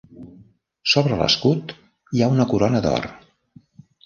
Sobre l'escut hi ha una corona d'or.